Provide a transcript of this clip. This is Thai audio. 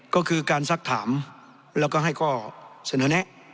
ก็คือการซักถามแล้วก็ให้ข้อเสนอแนะ